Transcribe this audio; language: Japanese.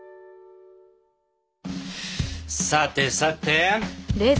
さてさて。